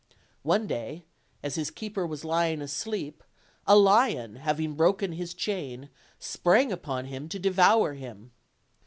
One day, as his keeper was lying asleep, a lion, having broken his chain, sprang upon him to devour him.